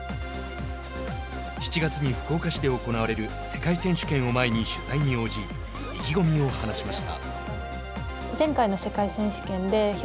７月に福岡市で行われる世界選手権を前に取材に応じ意気込みを話しました。